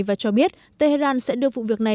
và cho biết tehran sẽ đưa vụ việc này